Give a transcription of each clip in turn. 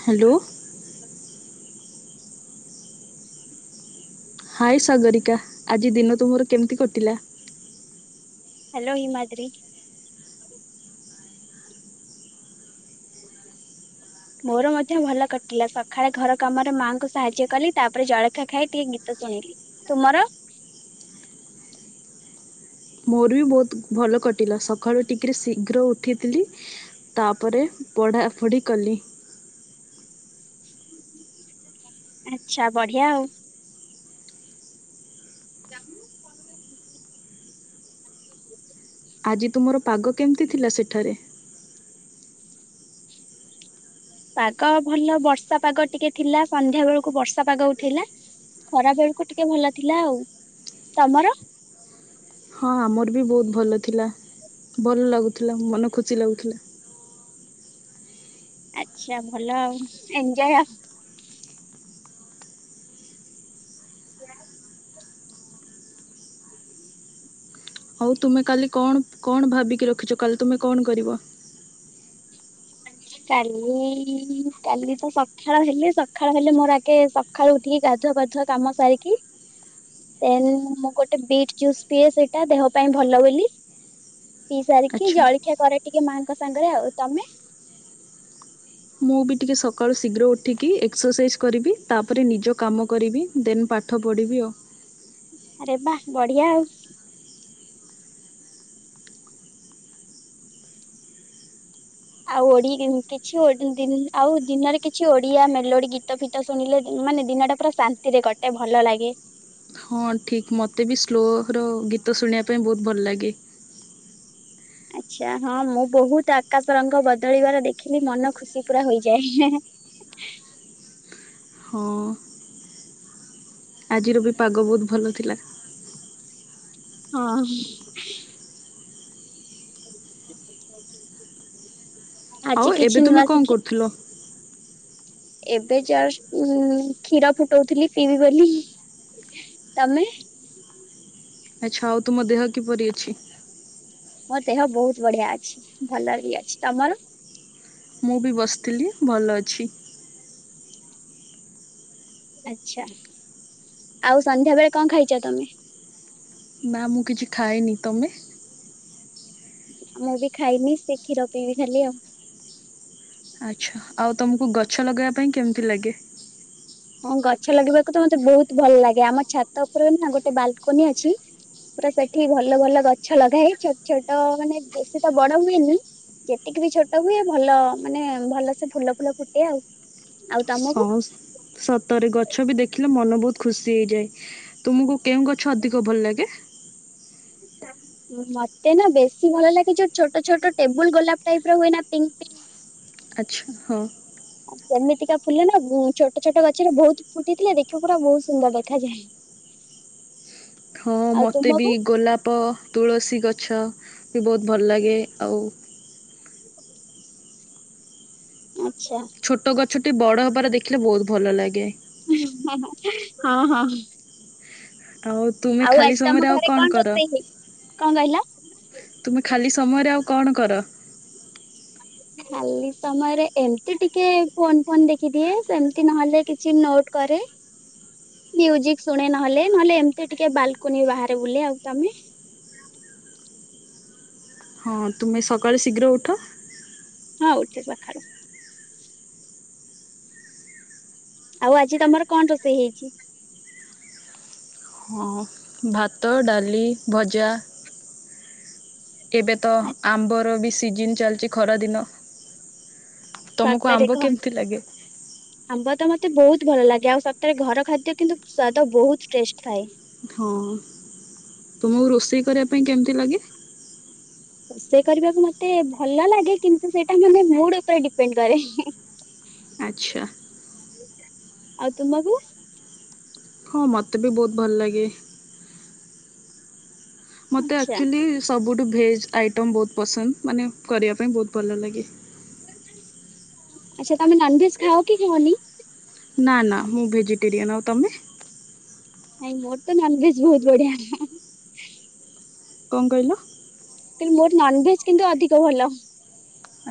Hello. [inaudible] ହାଏ ସାଗରିକା ଆଜି ଦିନ ତୁମର କେମିତି କଟିଲା? ହାଲୋ ହିମାଦ୍ରି। [inaudible] ମୋର ମଧ୍ୟ ଭଲ କଟିଲା ସଖାଳେ ଘର କାମରେ ମାଆଙ୍କୁ ସାହାଯ୍ୟ କଲି ତାପରେ ଜଳଖିଆ ଖାଇ ଟିକେ ଗୀ ତ ଶୁଣିଲି- ତୁମର? ମୋର ବି ବହୁତ୍ ଭଲ କଟିଲା ସକାଳୁ ଟିକିରି ଶୀଘ୍ର ଉଠିଥିଲି। ତାପରେ ପଢ଼ାପଢ଼ି କଲି। ଆଚ୍ଛା ବଢିଆ ଆଉ। [unintelligible] ଆଜି ତୁମର ପାଗ କେମିତି ଥିଲା ସେଠାରେ? [inaudible] ପାଗ ଭଲ ବର୍ଷା ପାଗ ଟିକେ ଥିଲା ସନ୍ଧ୍ୟା ବେଳକୁ ବର୍ଷା ପାଗ ଉଠିଲା। ଖରା ବେଳକୁ ଟିକେ ଭଲ ଥିଲା ଆଉ, ତମର? ହଁ ଆମର ବି ବହୁତ ଭଲ ଥିଲା। ଭଲ ଲାଗୁଥିଲା। ମନ ଖୁସି ଲାଗୁଥିଲା। ଆଚ୍ଛା ଭଲ ଆଉ ଏଞଜୟ ଆଉ। [inaudible] ହଉ ତୁମେ କାଲି କଣ କଣ ଭାବିକି ରଖିଛ କାଲି ତୁମେ କଣ କରିବ? [inaudible] କାଲି କାଲି ତ ସଖାଳ ହେଲେ ସଖାଳ ହେଲେ ମୋର ଆଗେ ସ ସଖାଳୁ ଉଠିକି ଗାଧୁଆ ପାଧୁଆ କାମ ସାରିକି [inaudible] ଦେନ୍ ମୁଁ ଗୋଟେ ବିଟ୍ ଜୁସ୍ ପିଏ ସେଇଟା ଦେହ ପାଇଁ ଭଲ ବୋଲି। ପିଇ ସାରିକି ଆଚ୍ଛା ଜଳଖିଆ କରେ ଟିକେ ମାଙ୍କ ସାଙ୍ଗରେ ଆଉ। ତମେ? ମୁଁ ବି ଟିକେ ସକାଳୁ ଶୀଘ୍ର ଉଠିକି ଏକ୍ସରସାଇଜ୍ କରିବି ତାପରେ ନିଜ କାମ କରିବି ଦେନ୍ ପା ଠ ପଡଢିବି ଆଉ। ଆରେ ବା ବଢିଆ ଆଉ। ଆଉ ଓଡି [unintelligible] ଆଉ ଦିନରେ କିଛି ଓଡିଆ ମେଲୋଡି ଗୀତ ଫି ଗୀତ ଶୁଣିଲେ ଦି ମାନେ ଦିନଟା ପୁରା ଶାନ୍ତିରେ କଟେ ଭଲ ଲାଗେ। ହଁ ଠିକ୍ ମତେ ବି ସ୍ଲୋର ଗୀତ ଶୁଣିବା ପାଇଁ ବହୁତ ଭଲ ଲାଗେ। ଆଚ୍ଛା ହଁ ମୁଁ ବହୁତ ଆକାଶ ରଙ୍ଗ ବଦଳିବାର ଦେଖିଲି ମନ ଖୁସି ପୁରା ହୋଇଯାଏ ହେଁ ହେଁ। [inaudible] ହଁ। ଆଜିର ବି ପାଗ ବହୁତ ଭଲ ଥିଲା। ହଁ। ଆଜି କିଛି ନୂଆ ଶିଖି ହାଲୋ। ଏବେ ଯଷ୍ଟ ଉମ୍ କ୍ଷୀର ଫୁଟଉଥିଲି ପିିବି ବୋଲି ତମେ? ଆଚ୍ଛା ଆଉ ତୁମ ଦେହ କିପରି ଅଛି? ମୋ ଦେହ ବହୁତ ବଢିଆ ଅଛି। ଭଲରେ ବି ଅଛି। ତମର? ମୁଁ ବି ବସିଥିଲି ଭଲ ଅଛି। ଆଛା ଆଉ ସନ୍ଧ୍ୟା ବେଳେ କଣ ଖାଇଛ ତମେ? ନା ମୁଁ କିଛି ଖାଇନି ତମେ? ଆଉ ମୁଁ ବି ଖାଇନି ସେ କ୍ଷୀର ପିଇବି ଖାଲି ଆଉ। ଆଚ୍ଛା ଆଉ ତମକୁ ଗଛ ଲଗେଇବା ପାଇଁ କେମିତି ଲାଗେ? ହଁ ଗଛ ଲଗେଇବାକୁ ତ ମତେ ବହୁତ ଭଲ ଲାଗେ ଆମ ଛାତ ଉପରେ ନା ଗୋଟେ ବାଲକୁନି ଅଛି। ପୁରା ସେଠି ଭଲ ଭଲ ଗଛ ଲଗାଏ ଛୋଟ ଛୋଟ ମାନେ ବେଶୀ ତ ବଡ ହୁଏନି। ଯେତିକି ବି ଛୋଟ ହୁଏ। ଭଲ ମାନେ ଭଲ ସେ ଫୁଲ ଫୁଲ ଫୁଟେ ଆଉ। ଆଉ ତମକୁ? ହସ ସ ତରେ ଗଛ ବି ଦେଖିଲେ ମନ ବହୁତ ଖୁସି ହେଇଯାଏ ତୁମକୁ କେଉଁ ଗଛ ଅଧିକ ଭଲ ଲାଗେ। [inaudible] ମତେ ନା ବେଶୀ ଭଲ ଲାଗେ ଯୋଉ ଛୋଟ ଛୋଟ ଟେବୁଲ ଗୋଲାପ ଟାଇପ ର ହୁଏ ନା ପିଙ୍କ ପିଙ୍କ୍ ଆଛା ହଉ। ଆଉ ସେମିତିକା ଫୁଲ ନା ବହୁ ଛୋଟ ଛୋଟ ଗଛରେ ବହୁତୁ ଫୁଟି ଥିଲେ ଦେଖିବ ପୁରା ବହୁତୁ ସୁନ୍ଦର ଦେଖାଯାଏ। [inaudible] ହଁ, ଆଉ ମତେ ବି ତୁମକୁ? ଗୋଲାପ ପ ତୁଳସୀ ଗଛ ବି ବହୁତୁ ଭଲ ଲାଗେ ଆଉ ଆଛା। ଛୋଟ ଗଛଟି ବଡ ହବାର ଦେଖିଲେ ବହୁତୁ ଭଲ ଲାଗେ। ହଁ, ହଁ, ହଁ। ଆଉ ତୁମେ ଆଉ ଖାଲି ଆଜି ତମ ସମୟରେ ଆଉ ଘରେ କଣ କର? ରୋଷେଇ ହେଇଚି କଣ କହିଲ? ତୁମେ ଖାଲି ସମୟରେ ଆଉ କଣ କର? ଖାଲି ସମୟରେ ଏମିତି ଟିକେ ଫୋନ ଫୋନ୍ ଦେଖିଦିଏ ସେମିତି ନହେଲେ କିଛି ନୋଟ କରେ। [inaudible] ମୁଜିକ୍ ଶୁଣେ ନହେଲେ, ନହେଲେ ଏମିତି ଟିକେ ବାଲକୁନି ବାହାରେ ବୁଲେ ଆଉ ତମେ? ହଁ ତୁମେ ସକାଳେ ଶୀଘ୍ର ଉଠ? ହଁ, ଉଠେ ସକାଳୁ। ଆଉ ଆଜି ତମର କଣ ରୋଷେଇ ହେଇଚି? ହଁ। ଭାତ, ଡାଲି, ଭଜା ଏବେ ତ ଆ- ଆମ୍ବର ବି ସିଜିନି ଚାଲିଚି ଖରାଦିନ। ସାତ ତମକୁ ଆମ୍ବ ତାରିଖ। କେମିତି [inaudible] ଆମ୍ବ ତ ମତେ ବହୁତୁ ଭଲ ଲାଗେ ଆଉ ସତରେ ଘର ଖାଦ୍ୟ କିନ୍ତୁ ସ୍ଵାଦ ବହୁତୁ ଟେଷ୍ଟ ଥାଏ। ହଁ, ତୁମୋକୁ ରୋଷେଇ କରିବା ପାଇଁ କେମିତି ଲାଗେ? ରୋଷେଇ କରିବାକୁ ମତେ ଭଲ ଲାଗେ କିନ୍ତୁ ସେଇଟା ମାନେ ମୁଡୁ ଉପରେ ଡିପେଣ୍ଡେ କରେ। ଆଚ୍ଛା। ଆଉ ତୁମକୁୁ? ହଁ, ମତେ ବି ବହୁତୁ ଭଲ ଲାଗେ। ମୋତେ ଆଚ୍ଛା ଆକ୍ଚୁଆଲି ସବୁଠୁ ଭେଜ ଆଇଟମ୍ ବହୁତୁ ପସନ୍ଦ ମାନେ କରିବା ପାଇଁ ବହୁତୁ ଭଲ ଲାଗେ। ଆଚ୍ଛା ତମେ ନନ ଭେଜ ଖାଅ କି ଖାଅ ନି? ନା, ନା ମୁଁ ଭେଜିଟେରିୟନ ଆଉ ତମେ? ନାଇଁ ମୋର ତ ନନଭେଜେ ବହୁତୁ ବଢିଆ। କଣ କହିଲ? କିନ୍ତୁ ମୋର ନନଭେଜ କିନ୍ତୁ ଅଧିକ ଭଲ।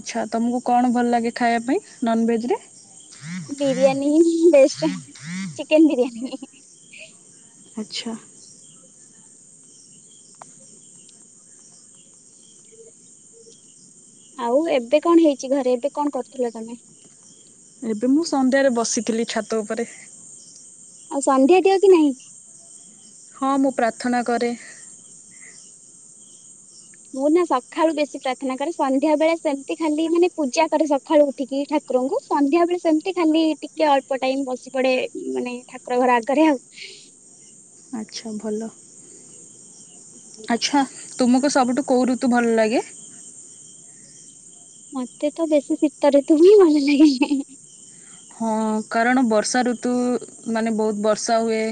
ଆଚ୍ଛା, ତମକୁ କଣ ଭଲ ଲାଗେ ଖାଇବା ପାଇଁ ନନ୍ ଭେଜେରେ? ବିରିୟାନୀ ବେଷ୍ଟେ ଚିକେନ ବିରିୟାନୀ। ଆଛା। ଆଉ ଏବେ କଣ ହେଇଚି ଘରେ ଏବେ କଣ କରୁଥିଲ ତମେ? ଏବେ ମୁଁ ସନ୍ଧ୍ୟାରେ ବସିଥିଲି ଛାତ ଉପରେ। ଆଉ ସନ୍ଧ୍ୟା ଦିଅ କି ନାହିଁ? ହଁ, ମୁଁ ପ୍ରାର୍ଥନା କରେ। ମୁଁ ନା ସକାଳୁ ବେଶୀ ପ୍ରାର୍ଥନା କରେ ସନ୍ଧ୍ୟା ବେଳେ ସେମିତି ଖାଲି ମାନେ ପୂଜା କରେ ସକାଳୁ ଉଠିକି ଠାକୁରଙ୍କୁ ସନ୍ଧ୍ୟା ବେଳେ ସେମିତି ଖାଲି ଟିକେ ଅଳ୍ପ ଟାଇମ୍ ବସି ପଡେ ମାନେ ଠାକୁର ଘର ଆଗରେ ଆଉ। ଆଚ୍ଛା, ଭଲ। ଆଛା ତୁମକୁ ସବୁଠୁ କୋଉ ଋତୁ ଭଲ ଲାଗେ? ଁ [inaudible] ମତେ ତ ବେଶୀ ଶୀତ ଋତୁ ହିଁ ଭଲ ଲାଗେ। ହଁ କାରଣ ବର୍ଷା ଋତୁ, ମାନେ ବହୁତ ବର୍ଷା ହୁଏ।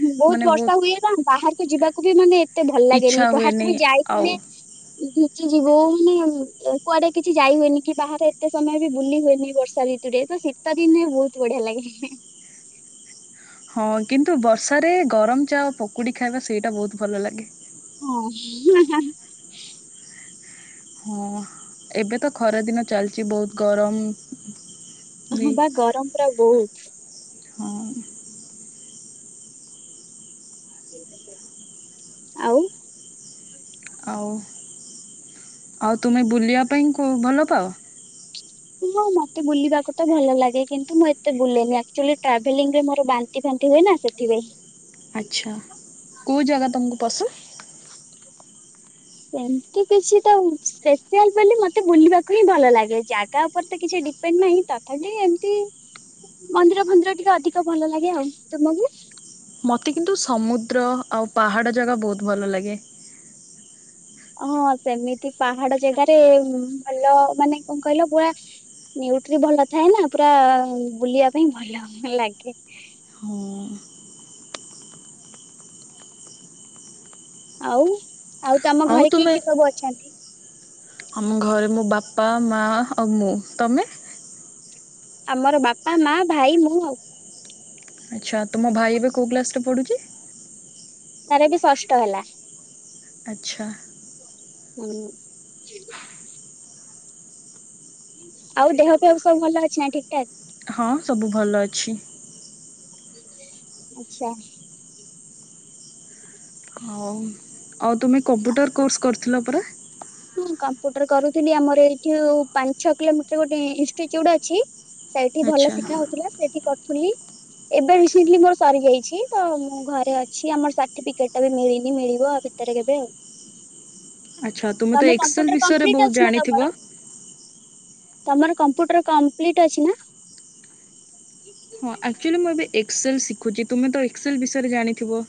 ହ ବହୁତ ବର୍ଷା ହୁଏ ନା, ବାହାରକୁ ଯିବାକୁ ବି ମାନେ, ମତେ ଭଲ ଲାଗେନି। ଇଚ୍ଛା ବାହାକୁ ହୁଏନି ବି ଆଉ ଯାଇଥିଲେ। ଭିଜିଯିବୁ ମାନେ କୁଆଡେ କିଛି ଯାଇ ହୁଏନି କି ବାହାରେ, ଏତେ ସମୟ ବି ବୁଲି ହୁଏନି ବର୍ଷା ଋତୁରେ ତ ସେ ଶୀତ ଦିନେ ବହୁତ ବଢିଆ ଲାଗେ। ହଁ କିନ୍ତୁ ବର୍ଷାରେ ଗରମ ଚା ପକୁଡି ଖାଇବା ସେଇଟା ବହୁତ ଭଲ ଲାଗେ। ହଁ। ହଁ ଏବେ ତ ଖରା ଦିନ ଚାଲିଛି, ବହୁତ ଗରମ? ବି ହଁ ବା ଗରମ ପୁରା ବହୁତ୍। ହଁ! ଆଉ ଆଉ, ଆଉ ତୁମେ ବୁଲିବା ପାଇଁ ଭଲ ପାଅ? ହଁ ମତେ ବୁଲିବାକୁ ତ ଭଲ ଲାଗେ କିନ୍ତୁ ମୁଁ ଏତେ ବୁଲେନି, ଆକଚୁଲି ଟ୍ରାଭେଲିଂ ରେ ମୋର ବାନ୍ତି ଫାନ୍ତି ହୁଏ ନା ସେଥିପାଇଁ। ଆଚ୍ଛା! କୋଉ ଜାଗା ତମକୁ ପସନ୍ଦ୍? ସେମତି କିଛି ତ ସ୍ପେସିଆଲ ବୋଲି ମତେ ବୁଲିବାକୁ ହିଁ ଭଲ ଲାଗେ, ଜାଗା ଉପରେ ତ କିଛି ଡି ନାଇଁ ତଥାପି ଏମିତି ମନ୍ଦିର ଫନ୍ଦିର ଟିକେ ଅଧିକ ଭଲ ଲାଗେ ଆଉ। ତମକୁ? ମୋତେ କିନ୍ତୁ ସମୁଦ୍ର ଆଉ ପାହାଡ଼ ଜାଗା ବହୁତ ଭଲ ଲାଗେ। ହଁ ସେମିତି ପାହାଡ ଜାଗାରେ ଭଲ ମାନେ କଣ କହିଲ ପୁରା ଭିଉ ଭଲ ଥାଏ ନା ପୁରା ବୁଲିବା ପାଇଁ ଭଲ ଲାଗେ। ହଁ। ଆଉ ଆଉ ତମ ଘରେ କିଏ କିଏ ସବୁ ଅଛନ୍ତି? ହ [inaudible] ଆମ ଘରେ ମୋ ବାପା, ମା ଆଉ ମୁଁ। ତମେ? ଆମର ବାପା ମା ଭାଇ ମୁଁ। ଆଚ୍ଛା! ତମ ଭାଇ ଏବେ କୋଉ କ୍ଲାସ ରେ ପଢୁଛି? ତାର ଏବେ ଷଷ୍ଟ ହେଲା। ଆଚ୍ଛା। ହୁଁ। ଆଉ ଦେହ ଫେହ ସବୁ ଭଲ ଅଛି ନା? ଠିକ ଠାକ୍। ହଁ ସବୁ ଭଲ ଅଛି। ଆଚ୍ଛା। ହଉ ଆଉ ତୁମେ କମ୍ପ୍ୟୁଟର କୋର୍ସ କରିଥିଲ ପରା? ହଁ କମ୍ପୁଟର କରୁଥିଲି ଆମର ଏଇଠୁ ପାଞ୍ଚ ଛଅ କିଲୋମିଟର ଗୋଟେ ଇନଷ୍ଟିଚ୍ୟୁଟ ଅଛି। ସେଇଠି ଭଲ ଆଚ୍ଛା ଶିଖା ହଉଥିଲା ସେଇଠି କରୁଥିଲି। ଏବେ ରିସେଣ୍ଟଲି ମୋର ସରିଯାଇଛି ତ ମୁଁ ଘରେ ଅଛି ଆମର ସାର୍ଟିଫିକେଟ ବି ମିଳିନି ମିଳିବ। ଭିତରେ କେବେ ଆଉ। ଆଚ୍ଛା ତୁମେ ତ ତମେ ଏକ୍ସେଲ କମ୍ପ୍ୟୁଟର ବିଷୟରେ କଂପ୍ଲିଟ୍ ବହୁତ ଅଛି ନା ଜାଣିଥିବ? ତମର? ତମର କମ୍ପ୍ୟୁଟର କମ୍ପ୍ଲିଟ୍ ଅଛି ନା? ହଁ ଆକ୍ଚୁଆଲି ମୁଁ ଏବେ ଏକ୍ସଲ୍ ଶିଖୁଛି ତୁମେ ତ ଏକ୍ସଲ ବିଷୟରେ ଜାଣିଥିବ।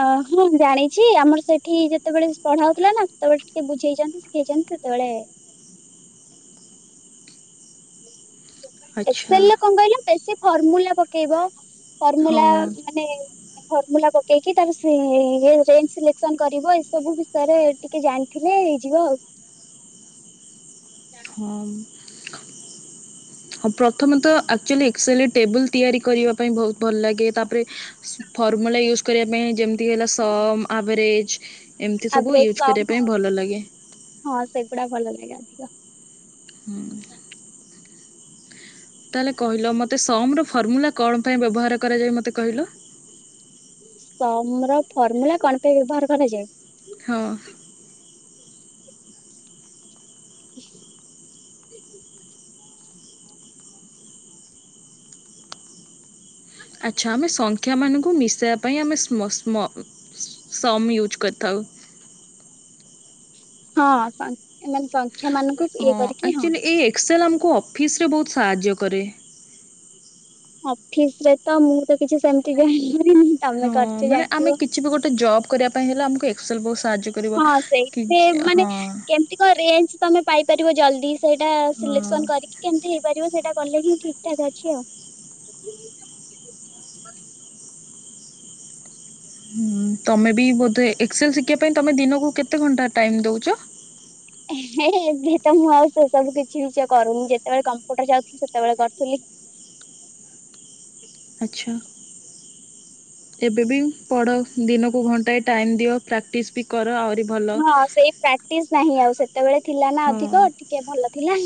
ଅ ହଁ ଜାଣିଛି ଆମର ସେଠି ଯେତେବେଳେ ପଢାହେଉଥିଲା ନା ସେତେବେଳେ ଟିକେ ବୁଝେଇଛନ୍ତି। ଛନ୍ତି ସେତେବେଳେ। ଏକ ସେଲ୍ ଆଚ୍ଛା ରେ କଣ କହିଲ ବେଶୀ ଫର୍ମୁଲା ପକେଇବ। ଫର୍ମୁଲା ହଁ ମାନେ ଫର୍ମୁଲା ପକେଇକି ତାର ସେ ରେଞ୍ଜ ସିଲେକ୍ସନ କରିବ ଏସବୁ ବିଷୟରେ ଟିକେ ଜାଣି ଦେଖିଲେ ହେଇଯିବ ଆଉ। ହଁ। ହଁ ପ୍ରଥମେ ତ ଆକ୍ଚୁଲି ଏକେସେଲ ଟେବୁଲୁ ତିଆରି କରିବା ପାଇଁ ବହୁତ ଭଲ ଲାଗେ ତାପରେ ଫର୍ମୁଲା ୟୁଜ କରିବା ପାଇଁ ଯେମ୍ ଏ ମିତି ହେଲା ସମ ଆଭରେଜ ଏମିତି ସବୁ ଆଭରେଜ ୟୁଜ୍ ସମ୍ କରିବା ପାଇଁ ଭଲ ଲାଗେ। ହଁ ସେଗୁଡା ଭଲ ଲାଗେ ଅଧିକ। ହୁଁ। ତାହେଲେ କହିଲ ମତେ ସମର ଫର୍ମୁଲା କଣ ପାଇଁ ବ୍ୟବହାର କରାଯାଏ ମୋତେ କହିଲ? ସମର ଫର୍ମୁଲା କଣ ପାଇଁ ବ୍ୟବହାର କରାଯାଏ? ହଁ। [unintelligible] ଆଚ୍ଛା ଆମେ ସଂଖ୍ୟା ମାନଙ୍କୁ ମିଶା ପାଇଁ ଆମେ ସମ ସ୍ମ ସମ ୟୁଜ୍ କରିଥାଉ। ହଁ ସ [unintelligible] ସଂଖ୍ୟା ମାନଙ୍କୁ ଇଏ ହଁ କରିକି ଆକ୍ଚୁଆଲି ଏଇ ଏକ୍ସେଲ୍ ଆମକୁ ଅଫିସରେ ବହୁତ ସାହାଯ୍ୟ କରେ। ଅଫିସ ରେ ତ ମୁଁ ତ କିଛି ସେମିତି [unintelligible] ତମେ ହଁ କରିଛ ମାନେ ଆମେ ଜାଣିଥିବ। କିଛି ବି ଗୋଟେ ଜବ କରିବା ପାଇଁ ହେଲେ ଆମକୁ ଏକ୍ସଲ ବହୁତ ସାହାଯ୍ୟ କରିବ। ହଁ କି ସେଇଥିରେ ମାନେ ହଁ କେମିତି ତ ରେଞ୍ଜ ତମେ ପାଇପାରିବ ଜଲ୍ଦି ସେଇଟା ହଁ। ସିଲେକ୍ସନ କରି କେମିତି ହେଇପାରିବ ସେଇଟା କଲେ ହିଁ ଠିକ ଠାକ ଅଛି ଆଉ। ହୁଁ ତମେ ବି ବୋଧେ ଏକ୍ସଲେ ଶିଖିବା ପାଇଁ ତମେ ଦିନକୁ କେତେ ଘଣ୍ଟା ଟାଇମ ଦଉଛ? ଏବେ ତ ମୁଁ ଆଉ ସେ ସବୁ କିଛି ବି କରୁନି ଯେତେବେଳେ କମ୍ପ୍ୟୁଟର ଯାଉଥିଲି ସେତେବେଳେ କରୁଥିଲି। ଆଚ୍ଛା। ଏବେ ବି ପଢ ଦିନକୁ ଘଣ୍ଟାଏ ଟାଇମ ଦିଅ ପ୍ରାକ୍ଟିସ୍ ବି କର ଆହୁରି ଭଲ ହଁ ସେଇ ପ୍ରାକ୍ଟିସ ନାହିଁ ଆଉ ସେ ସେତେବେଳେ ଥିଲା ନା ହଁ। ଅଧିକ ଟିକେ ଭଲ ଥିଲା।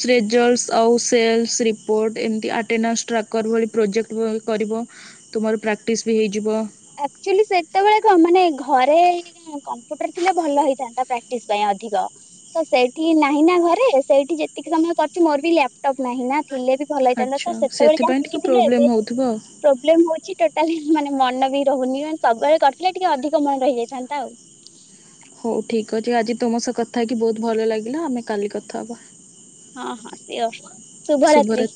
ଶେଯର୍ଲ ଆଉ ସେଲ ରିପୋର୍ଟ ଏମିତି ଆଟେନାଶ ଟ୍ରାକର ପ୍ରୋଜେକ୍ଟ କରିବ। ତୁମର ପ୍ରାକ୍ଟିସ୍ ବି ହେଇଯିବ। ଆକ୍ଚୁଆଲି ସେତେବେଳେ କ ମାନେ ଘରେ କମ୍ପ୍ୟୁଟର ଥିଲେ ଭଲ ହେଇଥାନ୍ତା ପ୍ରାକ୍ଟିସ ପାଇଁ ଅଧିକ। ତ ସେଇଠି ନାହିଁ ନା ଘରେ ସେଇଠି ଯେତିକି ସମୟ କରିଛି ମୋର ବି ଲାପଟପ୍ ନାହିଁ ନା। ଥିଲେ ବି ଭଲ ହେଇଥାତା ତ ଆଚ୍ଛା ସେତେବେଳେ ଯାହା ସେଥିପାଇଁ ଟିକେ ଶିଖିଥିଲୁ ପ୍ରୋବ୍ଲେମ୍ ଏବେ ହଉଥିବ ଆଉ। ପ୍ରୋବ୍ଲେମ ହଉଛି ଟୋଟାଲି ମାନେ ମନ ବି ରହୁନି ମେ ସବୁବେଳେ କରିଥିଲେ ଟିକେ ଅଧିକ ମନ ରହିଯାଇଥାନ୍ତା ଆଉ। ହଉ ଠିକ ଅଛି ଆଜି ତମ ସହ କଥା ହେଇକି ବହୁତ ଭଲ ଲାଗିଲା ଆମେ କାଲି କଥା ହବା। ହଁ [unintelligible] ଶୁଭରାତ୍ରି।